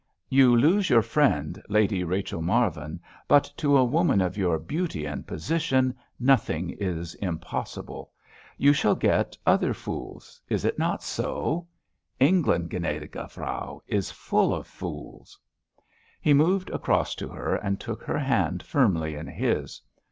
You lose your friend, Lady Rachel Marvin, but to a woman of your beauty and position nothing is impossible. You shall get other fools—is it not so? England, gnädige Frau, is full of fools!" He moved across to her and took her hand firmly in his.